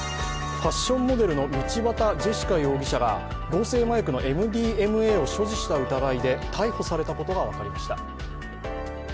ファッションモデルの道端ジェシカ容疑者が合成麻薬のＭＤＭＡを所持した疑いで逮捕されたことが分かりました。